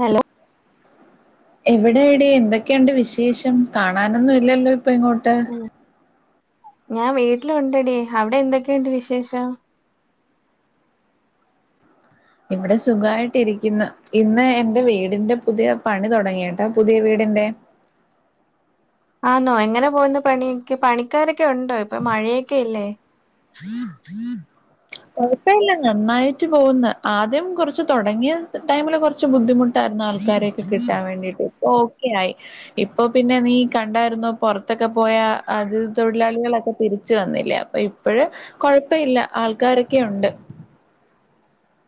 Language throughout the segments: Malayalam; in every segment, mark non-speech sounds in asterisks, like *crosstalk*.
ഹലോ എവിടെ ടീ എന്തൊക്കെ ഉണ്ട് വിശേഷം കാണാനൊന്നും ഇല്ലല്ലോ ഇപ്പൊ ഇങ്ങോട്ട് ഞാൻ വീട്ടിലുണ്ടെടി അവിടെ എന്തൊക്കെയുണ്ട് വിശേഷം ഇവിടെ സുഖ്വായിട്ടിരിക്കുന്നു. ഇന്ന് എൻറെ വീടിന്റെ പുതിയ പണി തൊടങ്ങീട്ടോ. പുതിയ വീടിന്റെ ആ ന്നൊ. എങ്ങനെ പോകുന്നു പണി. പണിക്കാരൊക്കെ ഉണ്ടോ ഇപ്പൊ മഴയൊക്കെ അല്ലേ *inaudible* കുഴപ്പ ഇല്ല നന്നായിട്ട് പോകുന്ന്. ആദ്യം കൊറച്ച് തൊടങ്ങിയ ടൈമില് കൊറ്ച്ച് ബുദ്ധിമുട്ട് രുന്നു ആൾക്കാരൊക്കെ കിട്ടാ വേണ്ടീട്ട്. ഇപ്പൊ ഓക്കെ ആയി ഇപ്പൊ പിന്നെ നീ കണ്ടായിരുന്നൊ പൊറത്തൊക്കെ പോയ അത് തൊഴിലാളികളൊക്കെ തിരിച്ചു വന്നില്ലേ ഇപ്പോഴ് കൊഴപ്പ ഇല്ല ആൾക്കാരൊക്കെ ഉണ്ട്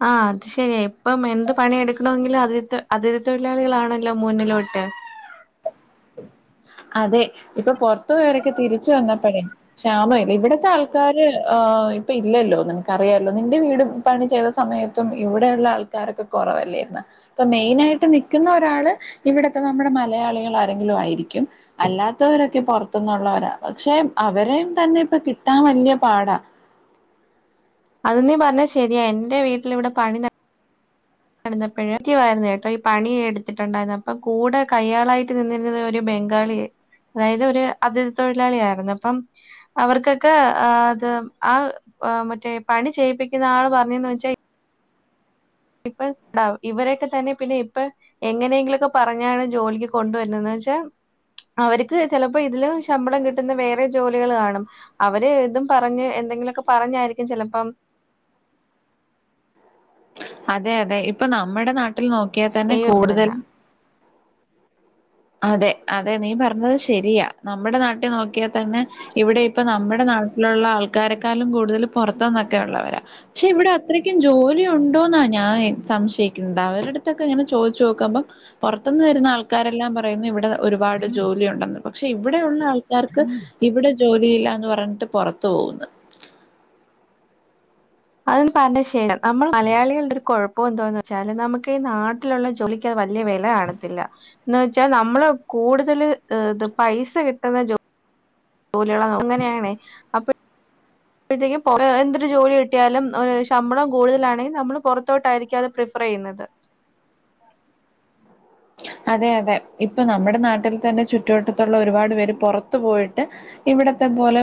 ആഹ് അത് ശെരിയാ. ഇപ്പം എന്ത് പണിയെടുക്ക്ണങ്കിലും അഥിതി അഥിതി തൊഴിലാളികളാണെല്ലോ മുന്നിലോട്ട്. അതെ ഇപ്പൊ പൊറത്തു പോവരൊക്കെ തിരിച്ചു വന്നപ്പഴേ. ക്ഷാമ ഇല്ല. ഇവിടത്തെ ആൾക്കാര് ഇപ്പൊ ഇല്ലെല്ലോ നിനക്കറിയാലൊ നിന്റെ വീടു താണ്. ചെല സമയത്തും ഇവിടെ ഒള്ള ആൾക്കാരൊക്കെ കൊറവല്ലേന്ന് ഇപ്പൊ മെയിന ആയിട്ട് നിക്കുന്ന ഒരാള് ഇവിടത്തെ നമ്മുടെ മലയാളികള് ആരെങ്കിലും ആയിരിക്കും അല്ലാത്തവരൊക്കെ പൊറത്തുന്നുള്ളവരാ പക്ഷെ അവരേം തന്നെ ഇപ്പൊ കിട്ടാൻ വല്ല്യ പാടാ അത് നീ പറഞ്ഞ ശരിയാ എന്റെ വീട്ടിലൂടെ പണി ന നടന്നെപ്പെഴ് ഇജ് പറ്ഞ്ഞെ കേട്ടൊ ഈ പണി എടുത്തിട്ടുണ്ടായിരുന്നു. അപ്പൊ കൂടെ കയ്യാളായിട്ട് നിന്നിരുന്ന ഒരു ബംഗാ ബംഗാളി ആയി. അതായത് ഒരു അതിഥി തൊഴിലാളിയായിരുന്നു അപ്പം അവർക്കൊക്കെ അത് ആഹ് മറ്റെ പണി ചെയ്യിപ്പിക്കുന്ന ആള് പറഞ്ഞെന്ന് വെച്ചാ ഇപ്പൊ താ ഇവരൊക്കെ തന്നെ പിന്നെ ഇപ്പൊ എങ്ങനെയെങ്കിലൊക്കെ പറഞ്ഞാണ് ജോലിക്ക് കൊണ്ടുവരുന്നതന്ന് എന്ന് വെച്ചാൽ അവർക്ക് ചെലപ്പോ ഇതിലും ശമ്പളം കിട്ടുന്ന വേറെ ജോലികൾ കാണും അവര് ഇതും പറഞ്ഞ് എന്തെങ്കില ഒക്കെ പറഞ്ഞായിരിക്കും ചെലപ്പം അതെ അതെ ഇപ്പൊ നമ്മെടെ നാട്ടിൽ നോക്ക്യാൽ തന്നെ ഈ തന്നെ കൂടുതലും അതെ അതെ നീ പറഞ്ഞത് ശെരിയാ. നമ്മെടെ നാട്ടിൽ നോക്കിയാ തന്നെ ഇവിടെ ഇപ്പം നമ്മെടെ നാട്ടിലുള്ള ആൾക്കാരെക്കാളും കൂടുതല് പൊറത്തന്നൊക്കെ ഉള്ളവരാ. പക്ഷെ ഇവെടെ അത്രയ്ക്കും ജോലി ഉണ്ടോ ഇന്നാ ഞാൻ സംശയിക്കുന്നത്. അവര്ടെ ടുത്തൊക്കെ ഇങ്ങനെ ചോദിച്ചു നോക്കുമ്പം പൊറത്ത്ന്ന് വരുന്ന ആൾക്കാരെല്ലാം പ പറയുന്നു ഇവിടെ ഒരുപാട് ജോലി ഉണ്ടെന്ന്. പക്ഷെ ഇവിടെ ഉള്ള ആൾക്കാർക്ക് ഇവിടെ ജോലിയില്ലാന്ന് പറഞ്ഞിട്ട് പൊറത്ത് പോകുന്ന് അത് പറ ശം *unintelligible* നമ്മള് മലയാളികള്ടെ ഒരു കൊഴപ്പം എന്തോന്ന് വെച്ചാല് നമുക്ക് ഈ നാട്ട് ട്ടിലുള്ള ജോലിക്ക് അത് വല്യ വെല കാണത്തില്ല എന്ന് വെച്ചാ നമ്മള് കൂടുതല് ഇത് പൈസ കിട്ടുന്ന ജോ തോലി ഉള്ളങ്ങ ഇങ്ങെനേണെ അപ്പ പ്പിഴിത്തേക്കും പോവേ എന്തൊരു ജോലി കിട്ടിയാലും ഒരു ശമ്പളം കൂടുതലാണെങ്കിൽ നമ്മള് പൊറത്തോട്ടായിരിക്കും അത് പ്രഫ പറയുന്നത് അതെ അതെ ഇപ്പൊ നമ്മുടെ നാട്ടിൽ തന്നെ ചുറ്റുവട്ടത്തുള്ള ഒരുപാട് പേര് പൊറത്തു പോയിട്ട് ഇവിടത്തെ പോലെ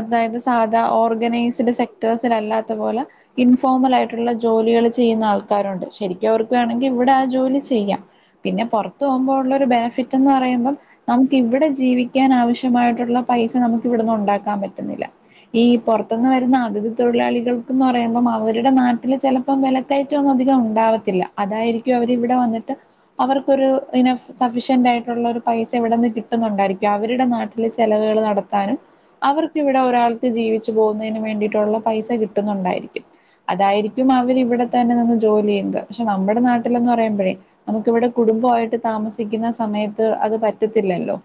അതായത് സാധാ ഓർഗനൈസ്ഡ് സെക്ടേഴ്സൽല്ലാത്ത പോലെ ഇൻഫോമലായിട്ട്ള്ള ജോലികള് ചെയ്യുന്ന ആൾക്കാരുണ്ട്. ശെരിക്കും അവർക്ക് വേണെങ്കിൽ ഇവിടെ ആ ജോലി ചെയ്യാം പിന്നെ പൊറത്തു പോകുമ്പോ ഉള്ള ഒരു ബെനഫിറ്റ് എന്ന് പറയിമ്പം നമുക്ക് ഇവിടെ ജീവിക്കാൻ ആവശ്യമായിട്ടുള്ള പൈസ നമുക്ക് ഇവിടുന്ന ഉണ്ടാക്കാൻ പറ്റുന്നില്ല ഈ പൊറത്തുന്ന് വരുന്ന അതിഥി തൊഴിലാളികൾക്ക്ന്ന് പറയുമ്പം അവരുടെ നാട്ടിലെ ചെല ഇപ്പം വെലക്കറ്റൊന്നും അധികം ഉണ്ടാവത്തില്ല. അതായിരിക്കും അവരി ഇവടെ വന്നിട്ട് അവർക്കൊരു ഇന്നെ സഫിഷ്യന്റ് ആയിട്ട്ള്ള ഒരു പൈസ ഇവിടെന്ന് കിട്ടുന്നുണ്ടായിരിക്കും. അവര്ടെ നാട്ടില് ചെലവുകൾ നട ത്താനും അവർക്ക് ഇവിടെ ഒരാൾക്ക് ജീവിച്ചു പോകുന്നതിന് വേണ്ടിയിട്ടുള്ള പൈസ കിട്ടുന്നുണ്ടായിരിക്കും അതായിരിക്കും അവരി ഇവിടെ തന്നെ നിന്ന് ജോലി ചെയ്യുന്നത് പക്ഷെ നമ്മുടെ നാട്ടിലന്ന് പറയുമ്പോഴേ നമുക്ക്ിവിടെ കുടുംബമായിട്ട് താമസിക്കുന്ന സമയത്ത് അത് പറ്റത്തില്ലല്ലോ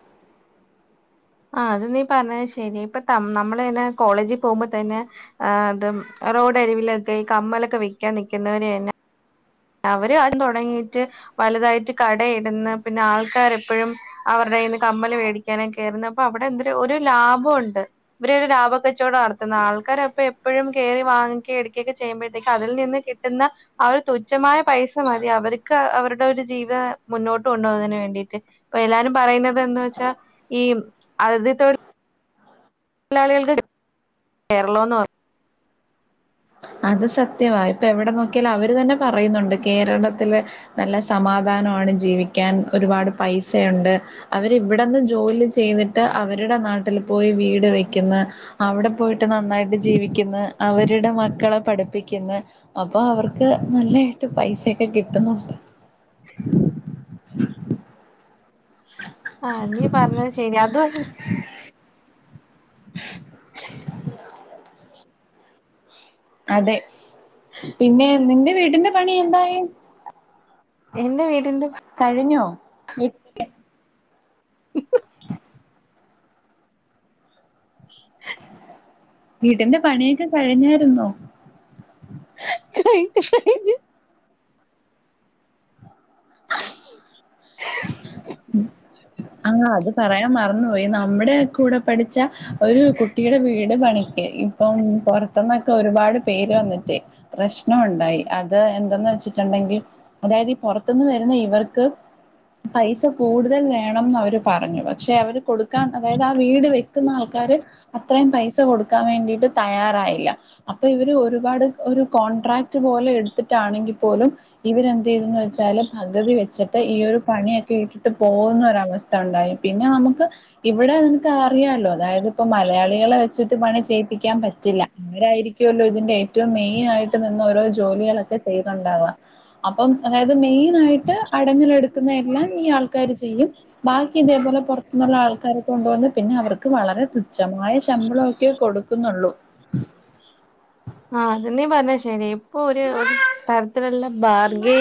ആ അത് നീ പറഞ്ഞത് ശെരി ഇപ്പ നമ്മള്ന്നെ കോളേജിൽ പോകുമ്പോ തന്നെ ആ അതും റോഡരിവിലൊക്കെ ഈ കമ്മലൊക്കെ വെക്കാൻ നിക്കുന്നവര് തന്നെ അവര് അതും തുടങ്ങിയിട്ട് വലുതായിട്ട് കടയിടുന്ന പിന്നെ ആൾക്കാർ എപ്പോഴും അവരുടെയ്ന്ന് കമ്മല് മേടിക്കാന കയറുന്ന അപ്പൊ അവിടെ എന്ത ഒരു ലാഭമുണ്ട് ഇവരരു ലാഭ കച്ചവട നടത്തുന്ന ആൾക്കാര അപ്പൊ എപ്പോഴും കയറി വാങ്ങിക്കുക എടുക്കയൊക്കെ ചെയ്യുമ്പോഴത്തേക്ക് അതിൽ നിന്ന് കിട്ടുന്ന ആ ഒരു തുച്ഛ തുച്ഛമായ പൈസ മതി അവർക്ക് അവരുടെ ഒരു ജീവിത മുന്നോട്ട് കൊണ്ടുപോകുന്നതിന് വേണ്ടിയിട്ട് ഇപ്പൊ എല്ലാരും പറയുന്നത് എന്ത വെച്ചാൽ ഈ അതിഥി തൊഴിൽ *unintelligible* *unintelligible* അത് സത്യവ ഇപ്പൊ എവിടെ നോക്കിയാലും അവര് തന്നെ പറയുന്നുണ്ട് കേരളത്തില് നല്ല സമാധാനമാണ് ജീവിക്കാൻ ഒരുപാട് പൈസുണ്ട് അവരിവിടെന്ന് ജോലി ചെയ്തിട്ട് അവരുടെ നാട്ടിൽ പോയി വീട് വെക്കുന്ന് അവിടെ പോയിട്ട് നന്നായിട്ട് ജീവിക്കുന്ന അവരുടെ പക്കളെ പഠിപ്പിക്കുന്നു അപ്പൊ അവർക്ക് നല്ലതായിട്ട് പൈസൊക്കെ കിട്ടുന്നുണ്ട് *inaudible* ആ നീ പറഞ്ഞത് ശരി അത് *unintelligible* അതെ പിന്നെ നിന്റെ വീടിന്റെ പണി എന്തായ എന്റെ വീടിന്റെ കഴിഞ്ഞോ വീ *unintelligible* *unintelligible* വീടിന്റെ പണിയൊക്കെ കഴിഞ്ഞായിരുന്നോ *unintelligible* കഴച്ച കഴച് *unintelligible* ആഹ് അത് പറയാൻ മറന്ന്പോയി നമ്മുടെ കൂടെ പഠിച്ച ഒരു കുട്ടിയുടെ വീട് പണിക്ക് ഇപ്പം പൊറത്ത്ന്നൊക്കെ ഒരുപാട് പേര് വന്നിട്ട് പ്രശ്നം ഉണ്ടായി അത് എന്താന്ന് വെച്ച്ട്ട്ണ്ടെങ്കി അതായതീ പൊറ ത്ത്ന്ന് വര്ന്ന ഇവർക്ക് പൈസ കൂട്തൽ വേണംന്ന് അവര് പറഞ്ഞു പക്ഷെ അവര് കൊടുക്കാൻ അതായത് ആ വീട് വെക്ക്ന്നാൾക്കാര് അത്രയും പൈസ കൊട്ക്കാൻ വേണ്ടി ട്ട്തയ്യാറായില്ല അപ്പൊ ഇവര് ഒരുപാട് ഒര് കോൺട്രാക്ട് പോലെ എട്ത്തിട്ടാണെങ്കിപ്പോലും ഇവരെന്തെയ്തെന്ന് വെ ച്ചാല് പകുതി വെച്ചിട്ട് ഈ ഒരു പണിയൊക്കെ ഇട്ടിട്ട് പോകുന്ന ഒരവസ്ഥ ഉണ്ടായി പിന്നെ നമുക്ക് ഇവിടെ നിൻക്ക് അറിയാലോ അതായത് ഇപ്പ മലയാളികളെ വെച്ചിട്ട് പണി ചെയ്യിപ്പിക്കാൻ പറ്റില്ല ആവരായിരിക്കുവല്ലോ ഇതിന്റെ ഏറ്റവും മെയിൻ ആയിട്ട് നിന്ന് ഓരോ ജോലികളൊക്കെ ചെയ്ന്ന്ണ്ടാവാ അപ്പം അതായത് മെയിനായിട്ട് അടങ്ങൽ എടുക്കുന്ന എല്ലാം ഈ ആൾക്കാര് ചെയ്യും ബാക്കി ഇതേപോലെ പൊർത്ത്ന്നുള്ള ആൾക്കാരെ കൊണ്ടുവന്ന് പിന്നെ അവർക്ക് വളരെ തുച്ഛമായ ശമ്പളൊക്കെ കൊടു ക്ക്ന്നൊള്ളു ആഹ് അതന്നെ പർഞ്ഞത് ശരി ഇപ്പൊ ഒര് ഒര് തരത്തിലുള്ള ബാർഗൈ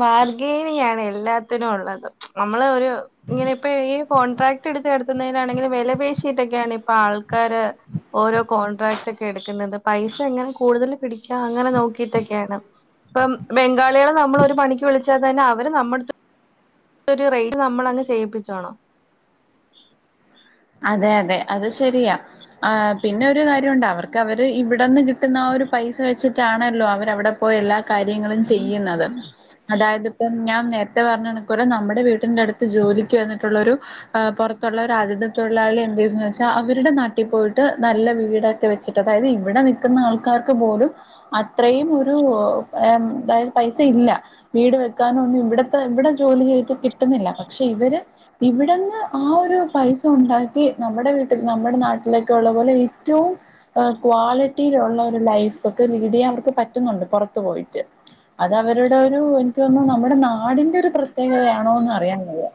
ബാർഗൈനിങ്ങാണ് എല്ലാത്തിനുള്ളത് നമ്മള് ഒരു ഇങ്ങനെ ഇപ്പ ഈ കോൺട്രാക്റ്റ്ട്ത്ത് നടത്തുന്നതിനാണെങ്കിലും വെല പേശിയിട്ടൊക്കെയാണ് ഇപ്പൊ ആൾക്കാര് ഓരോ കോൺട്രാക്ട് ഒക്കെ എട്ക്കുന്നത് പൈസ എങ്ങനെ കൂടുതൽ പിടിക്കാം അങ്ങനെ നോക്കിയിട്ടൊക്കെയാണ് ഇപ്പം ബംഗാളികളെ നമ്മള് ഒര് പണിക്ക് വിളിച്ചാ തന്നെ അവര് നമ്മട്ത്ത് ഒര് റെയ്റ്റിന് നമ്മളങ്ങ് ചെയ്യിപ്പിച്ചോണം അതെ അതെ അത് ശരിയാ ആഹ് പിന്നൊരു കാര്യണ്ട് അവർക്ക് അവര് ഇവിടെന്ന് കിട്ടുന്ന ആ ഒരു പൈസ വെച്ചിട്ടാണല്ലോ അവരവിടെപ്പോയി എല്ലാ കാര്യങ്ങളും ചെയ്യ്ന്നത് അതായതിപ്പം ഞാൻ നേരത്തെ പറഞ്ഞ കണക്കോലെ നമ്മുടെ വീടിന്റെടുത്ത് ജോലിക്ക് വന്നിട്ടുള്ളൊരു ആഹ് പൊറത്തുള്ള ഒരതിഥി തൊഴിലാളി എന്തെയ്ത് ന്ന് വെച്ചാ അവര്ടെ നാട്ടി പോയിട്ട് നല്ല വീടൊക്കെ വെച്ചിട്ട് അതായത് ഇവിടെ നി ക്ക്ന്ന ആൾക്കാർക്ക് പോലും അത്രയും ഒരു എന്താ പൈസ ഇല്ല വീട് വെക്കാനൊന്നും ഇവ്ടത്തെ ഇവടെ ജോലി ചെയ്തിട്ട് കിട്ടുന്നില്ല പക്ഷെ ഇവര് ഇവിടെന്ന് ആഹ് ഒരു പൈ സണ്ടാക്കി നമ്മടെ വീട്ടിൽ നമ്മുടെ നാട്ടിലൊക്കെ ഉള്ള പോലെ ഏറ്റവും ക്വാളിറ്റിയിലുള്ള ഒര് ലൈഫൊക്കെ ലീഡ് ചെയ്യാൻ അവർക്ക് പറ്റ്ന്നുണ്ട് പുറത്ത് പോയിട്ട് അത് അവരുടെ ഒരു എനിക്ക് തോന്നും നമ്മുടെ നാടിൻന്റെ ഒരു പ്രത്യേകതയാണോന്ന് അറിയാൻ വയ്യ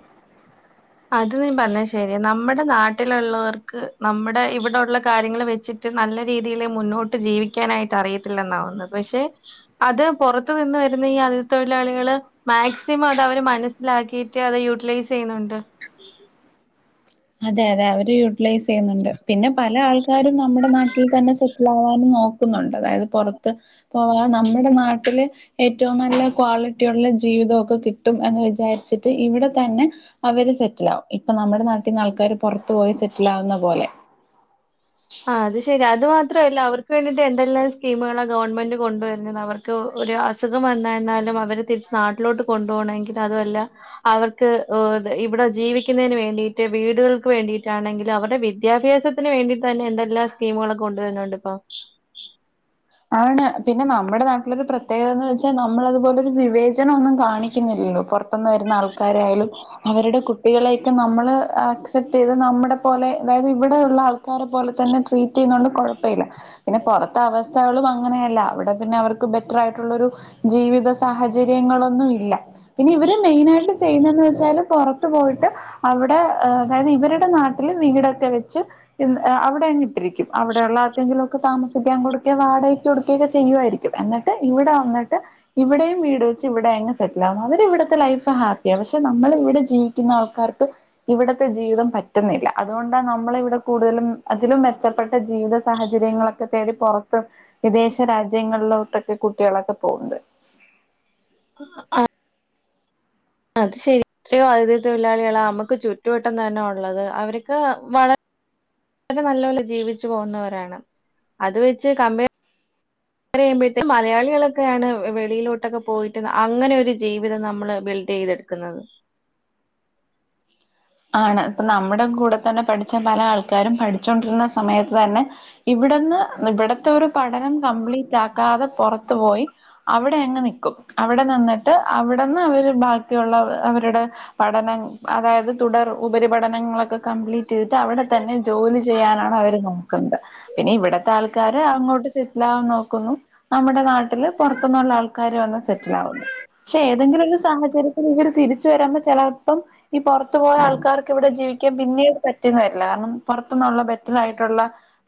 അത് നീ പറഞ്ഞത് ശരിയാ നമ്മ്ടെ നാട്ടിലുള്ളവർക്ക് നമ്മ്ടെ ഇവിടൊള്ള കാര്യങ്ങള് വെച്ചി ട്ട് നല്ല രീതിയില് മുന്നോട്ട് ജീവിക്കാനായിട്ട് അറിയത്തില്ലെന്നാ തോന്നുന്നത് പക്ഷെ അത് പുറത്ത് നിന്ന് വരുന്ന ഈ അതിഥി തൊഴിലാളികള് മാക്സിമം അത് അവര് മനസ്സിലാക്കിയിട്ട് അത് യൂട്ടിലൈസ് ചെയ്യുന്നുണ്ട് അതെ അതെ അവര് യുട്ടിലൈസ് ചെയ്യുന്നുണ്ട് പിന്നെ പല ആൾ ക്കാരും നമ്മുടെ നാട്ടിൽ തന്നെ സെറ്റിൽ ആകാനും നോക്കുന്നുണ്ട് അതായത് പുറത്ത് പോവാൻ നമ്മുടെ നാട്ടില് ഏറ്റവും നല്ല ക്വാളിറ്റിയുള്ള ജീവിതവൊക്കെ കിട്ടും എന്ന് വിചാരിച്ചിട്ട് ഇവിടെ തന്നെ അവര് സെറ്റിലാവും ഇപ്പ നമ്മ്ടെ നാട്ടീന്ന് ആൾക്കാാര് പുറത്ത് പോയി സെറ്റിലാകുന്ന പോലെ ആഹ് അത് ശരി അത് മാത്രല്ല അവർക്ക് വേണ്ടീട്ട് എന്തെല്ലാം സ്കീമകളാ ഗവൺമെന്റ് കൊണ്ടുവരുന്നത് അവർക്ക് ഒരു അസുഖം വന്നരാലും അവരെ തിരിച്ച് നാട്ടിലോട്ട് കൊണ്ടുപോകണമെങ്കിൽ അതുമല്ല അവർക്ക് ഇവിടെ ജീവിക്കുന്നതിന് വേണ്ടിട്ട് വീടുകൾക്ക് വേണ്ടിട്ടാണെങ്കിലു അവര്ടെ വിദ്യാഭ്യാസത്തിന് വേണ്ടി തന്നെ എന്തെല്ലാ സ്കീമുകളൊക്കെ കൊണ്ട് വര്ന്ന്ണ്ട്പ്പൊ ആണ് പിന്നെ നമ്മുടെ നാട്ടിലൊരു പ്രത്യേകതന്ന് വെച്ചാ നമ്മളതുപോലെരു വിവേചനൊന്നും കാണിക്കുന്നില്ലല്ലോ പൊർ ത്ത്ന്ന് വര്ന്ന ആൾക്കാരായാലും അവര്ടെ കുട്ടികളെയൊക്കെ നമ്മള് അക്സെപ്റ്റെയ്ത് നമ്മടെ പോലെ അതായത് ഇവിടെ ഉള്ള ആൾ ക്കാരെ പോലെ തന്നെ ട്രീറ്റെയ്യുന്നോണ്ട് കൊഴപ്പല്ല പിന്നെ പൊറത്ത് അവ സ്ഥകളും അങ്ങനെയല്ല അവിടെ പിന്നെ അവർക്ക് ബെറ്ററായിട്ടുള്ളൊരു ജീവിത സാഹചര്യങ്ങളൊന്നും ഇല്ല പിന്നെ ഇവര് മെയിന ആയിട്ട് ചെയ്യുന്നതെന്ന് വെച്ചാൽ പുറത്ത് പോയിട്ട് അവിടെ അതായത് ഇവരുടെ നാട്ടില് വീടൊക്കെ വെച്ച് അവിടെ അങ്ങ് ഇട്ടിരിക്കുംഅവിടെയുള്ള ആർകെങ്കിലും ഒക്കെ താമസിക്ക കോട് ഒക്കെ വാടകയ്ക്ക് കൊടുക്കുകയൊക്കെ ചെയ്യുവായി രിക്കും എന്നിട്ട് ഇവിടെ വന്നിട്ട് ഇവിടെയും വീട് വെച്ച് ഇവിടെ എങ്ങെ ഇവിടേം വീട് വെച്ച് ഇവിടെ അങ്ങ് സെറ്റിൽ ആവും അവര് ഇവിടത്തെ ലൈഫ് ഹാപ്പിയാണ് പക്ഷെ നമ്മള ഇവിടെ ജീ വിക്കുന്ന ആൾക്കാർക്ക് ഇവിടത്തെ ജീവിതം പറ്റുന്നില്ല ഇവിടുത്തെ ജീവിതം പറ്റുന്നില്ല അതുകൊണ്ടാണ് നമ്മള ഇവിടെ കൂടുതലും അതിലും മെച്ചപ്പെട്ട ജീവിത സാഹചര്യങ്ങളൊക്കെ ഒക്കെ തേടി പുറത്ത് വിദേശ രാജ്യങ്ങളിലോട്ടൊക്കെ കുട്ടികളൊക്കെ പോകണ്ട് ആഹ് അത് ശരിക്കും ആതിഥി തൊഴിലാളികളാണ് നമുക്ക് ചുറ്റുവട്ടം തന്നെ ഉള്ളത് അവർക്ക് വളരെ വളരെ നല്ല പോലെ ജീവിച്ചു പോകുന്നവരാണ് അത് വെച്ച് കമ്പ പറയുമ്പോഴേും മലയാളികളൊക്കെയാണ് വെളിയിലോട്ടൊക്കെ പോയിട്ട് അങ്ങനെൊ ഒരു ജീവിതം നമ്മള് ബിൽഡ് ചെയ്തത് ക്കുന്നത് ആണ് ഇപ്പ നമ്മുടെ കൂടെ തന്നെ പഠിച്ച പല ആൾക്കാരും പഠിചോണ്ടിരുന്ന സമയത്ത് തന്നെ ഇവിടുന്ന് ഇവിടത്തെ ഒരു പഠനം കംപ്ലീറ്റ് ആക്കാതെ പുറത്തു പോയി അവിടെ അങ്ങ് നിക്കും അവിടെ നിന്നിട്ട് അവിടെന്ന് അവര് ബാക്കിയുള്ള അവരുടെ പഠനം അതായത് തുടർ ഉപരിപഠനങ്ങളൊക്കെ കംപ്ലീറ്റ് ചെയ്തിട്ട് അവിടെ തന്നെ ജോലി ചെയ്യാനാണ് അവര് നോക്കുന്നത് പിന്നെ ഇവിടത്തെ ആൾക്കാര് അങ്ങോട്ട് സെറ്റില ആകൻ നോക്കുന്നു നമ്മുടെ നാട്ടില് പുറത്തുന്നുള്ള ആൾക്കാര് വന്ന് സെറ്റില ആകുന്നു പക്ഷെ ഏതെങ്കിലും ഒരു സാഹചര്യത്തിൽ ഇവർ തിരിച്ചു വരാമ്പോ ചിലപ്പം ഈ പുറ ത്തു പോയ ആൾക്കാർക്ക് ഇവടെ ജീവിക്കാൻ പിന്നീട് പറ്റീന്ന് വരില്ല. കാരണം പുറത്തുന്നുള്ള ബെറ്റർ ആയിട്ടുള്ള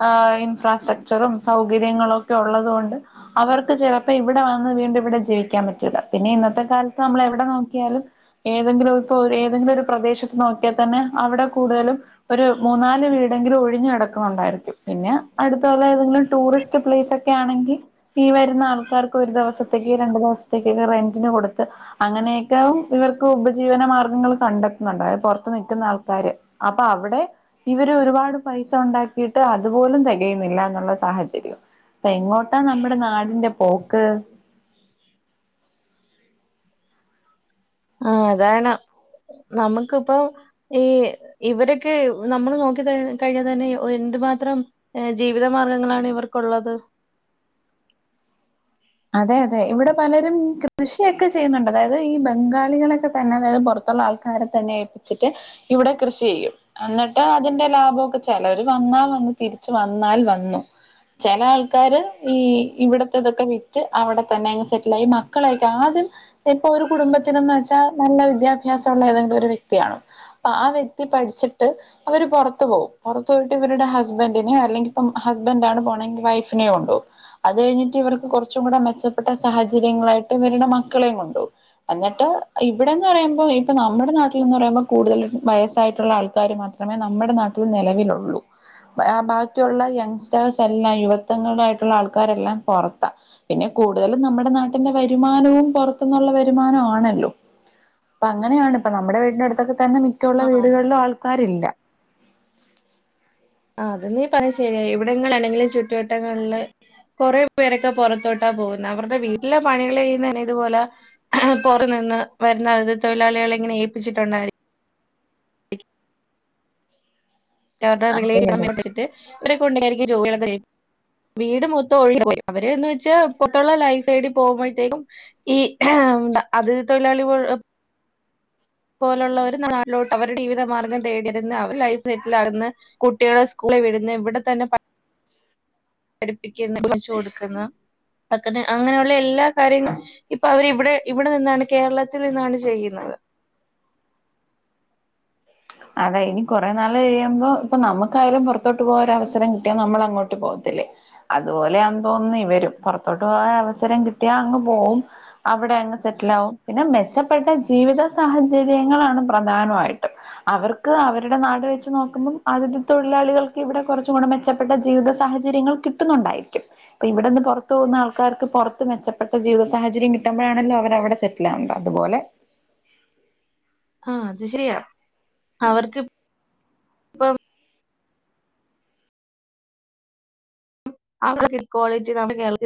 ആഹ് ഇൻഫ്രാസ്ട്രക്ചറും സൗകര്യങ്ങളും ഒക്കെ ഉള്ളത് കൊണ്ട് അവർക്ക് ചെലപ്പം ഇവിടെ വന്ന് വീണ്ടും ഇവിടെ ജീവിക്കാൻ പറ്റൂല്ല. പിന്നെ ഇന്നത്തെ കാലത്ത് നമ്മള് എവിടെ നോക്കിയാലും ഏതെങ്കിലും ഇപ്പോ ഒര് ഏതെങ്കിലും ഒരു പ്രദേശത്ത് നോക്കിയാ തന്നെ അവിടെ കൂടുതലും ഒരു മൂന്നാല് വീടെങ്കിലും ഒഴിഞ്ഞ് കിടക്കുന്നുണ്ടായിരിക്കും. പിന്നെ അടുത്തുള്ള ഏതെങ്കിലും ടൂറിസ്റ്റ് പ്ലേസ ക്കെ ആണെങ്കി ഈ വരുന്ന ആൾക്കാർക്ക് ഒരു ദിവസത്തേക്ക് രണ്ടു ദിവസത്തേക്കൊക്കെ റെന്റിന് കൊടുത്ത് അങ്ങനെയൊക്കെ ഇവർക്ക് ഉപജീവന മാർഗങ്ങൾ കണ്ടെ ന്ന്ണ്ടായെ പൊറത്ത് നിക്കുന്ന ആൾക്കാര് അപ്പൊ അവിടെ ഇവര് ഒരുപാട് പൈസ ഉണ്ടാക്കിയിട്ട് അതുപോലും തികയുന്നില്ല എന്നുള്ള സാഹചര്യവാ പ്പ എങ്ങോട്ടാ നമ്മുടെ നാടിന്റെ പോക്ക് ആഹ് അതാണ് നമുക്കിപ്പം ഈ ഇവരൊക്കെ നമ്മൾ നോക്കി കഴി കഴിഞ്ഞാ തന്നെ ഓഹ് എന്ത് മാത്രം ഏഹ് ജീവിത മാർഗ്ഗങ്ങളാണ് ഇവർക്കുള്ളത് അതെ അതെ ഇവടെ പലരും കൃഷിയൊക്കെ ചെയ്യുന്നുണ്ട്. അതായത് ഈ ബംഗാളികളൊക്കെ തന്നെ അതായത് പൊറ ത്തുള്ള ആൾക്കാരെ തന്നെ ഏൽപ്പിച്ചിട്ട് ഇവടെ കൃഷി ചെയ്യും. അന്നിട്ട് അതിന്റെ ലാഭവൊക്കെ ചെലവര് വന്നാ വന്ന് തിരിച്ചു വന്നാൽ വന്നു. ചെല ആൾക്കാര് ഈ ഇവടെത്തെ തൊക്കെ വി റ്റ് അവിടെ തന്നെ അങ്ങ് സെറ്റിലായി. മക്കളെയൊക്കെ ആദ്യം ഇപ്പൊ ഒരു കുടുംബത്തിനന്ന് വെച്ചാ നല്ല വിദ്യാഭ്യാസം ഉള്ള ഏതെങ്കിലും ഒരു വ്യക്തിയാണം. അപ്പാ വ്യക്തി പഠിച്ചിട്ട് അവര് പുറത്തു പോവും. പുറത്ത് പോയിട്ട് ഇവരുടെ ഹസ്ബൻ്റിനെയോ അല്ലെങ്കി ഇപ്പം ഹസ്ബൻ്റ് ആണ് പോണെങ്കി വൈഫിനെയോ കൊണ്ടോവും. അത് കഴിഞ്ഞിട്ട് ഇവർക്ക് കുറച്ചും കൂടെ മെച്ചപ്പെട്ട സാഹചര്യങ്ങളായിട്ട് ഇവരുടെ മക്കളെയും കൊണ്ടോവും. എന്നിട്ട് ഇവിടെന്ന് പറയുമ്പോ ഇപ്പൊ നമ്മുടെ നാട്ടില് ന്ന് പറയുമ്പോ കൂടുതലും വയസ്സായിട്ടുള്ള ആൾക്കാർ മാത്രം മാത്രമേ നമ്മുടെ നാട്ടിൽ നിലവിലൊള്ളൂ. ബാക്കിയുള്ള യങ്ങ്സ്റ്റേഴ്സ് എല്ലാം യുവത്വങ്ങളു ആയിട്ടുള്ള ആൾക്കാരെല്ലാം പൊറത്താ. പിന്നെ കൂടുതലും നമ്മുടെ നാട്ടിന്റെ വരുമാനവും പുറത്തുന്നുള്ള വരുമാനമാണല്ലോ. അപ്പൊ അങ്ങനെയാണ് ഇപ്പ നമ്മുടെ വീടിന്റെ അടുത്തൊക്കെ തന്നെ മിക്ക ഉള്ള ആ വീടുകളിലും ആൾക്കാരില്ല. ആഹ് അത് നീ പറഞ്ഞത് ശരിയാ. ഇവിടങ്ങളാണെങ്കിലും ചുറ്റുവട്ടങ്ങളില് കുറേ പേരൊക്കെ പൊറത്തോട്ടാ പോവുന്ന. അവരുടെ വീട്ടിലെ പണികൾ ചെയ്യുന്നതന്നെ ഇതുപോലെ പൊറി നിന്ന് വരുന്ന അതിഥി തൊഴിലാളികളെ ഇങ്ങനെ ഏപ്പിച്ചിട്ടുണ്ടായിരി താത്ത അതെ പിള്ളേരി അതെ അമ്മനെഒറ്റകിട്ട് ഒര് *unintelligible* ജോലളൊക്കെ ചെയും വീട് മൊത്തം ഒഴി. *unintelligible* അവര്ന്ന് വച്ചാ പൊറത്തുള്ള ലൈഫ് തേടി പോകുമ്പഴ്ത്തേക്കും ഈ അതിതി തൊഴിലാളി പോലുള്ള പോലുള്ളവര് നാട്ടിലോട്ട് അവരുടെ ജീവിതമാർഗ്ഗം തേടി വരുന്ന് അവർ ലൈഫ് സെറ്റിലാകുന്ന് കുട്ടികളെ സ്കൂളി വിട്ന്ന് ഇവിടെ തന്നെ പ പഠിപ്പിക്കുന്ന് പടിച്ച് കൊടുക്കുന്ന് പക്ക്ന്ന്. അങ്ങനെയുള്ള എല്ലാ കാര്യങ്ങ ഇപ്പൊ അവരിവിടെ ഇവിടെ നിന്നാണ് കേരളത്തിൽ നിന്നാണ് ചെയ്യുന്നത്. അതെ ഇനി കുറേ നാൾ കഴിയുമ്പം ഇപ്പൊ നമുക്കായാലും പുറത്തോട്ട് പോവാൻ ഒരവസരം കിട്ടിയാ നമ്മളങ്ങോട്ട് പോവത്തില്ലേ. അതുപോലെയാന്ന് തോന്നുന്നു ഇവരും. പുറത്തോട്ട് പോവാ അവസരം കിട്ടിയാ അങ്ങ് പോവും. അവിടെ അങ്ങ് സെറ്റിലാവും. പിന്നെ മെച്ചപ്പെട്ട ജീവിത സാഹചര്യങ്ങളാണ് പ്രധാനമായിട്ടും. അവർക്ക് അവരുടെ നാട് വെച്ച് നോക്കുമ്പം ആതിഥി തൊഴിലാളികൾക്ക് ഇവിടെ കുറച്ചും കൂടെ മെച്ചപ്പെട്ട ജീവിത സാഹചര്യങ്ങൾ കിട്ടുന്നുണ്ടായിരിക്കും. അപ്പിവിടെന്ന് പുറത്ത് പോകുന്ന ആൾക്കാർക്ക് പൊറത്ത് മെച്ചപ്പെട്ട ജീവിത സാഹചര്യം കിട്ടുമ്പഴാണല്ലോ അവരവിടെ സെ റ്റിലാവുന്നത്. അതുപോലെ ആഹ് അത് ശരിയാ. അവർക്ക് അവിടെക്ളറ്റി കോളിറ്റി നമുക്ക് കേൾക്ന്ന്